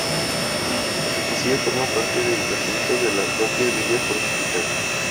El castillo forma parte del recinto de la propia villa fortificada.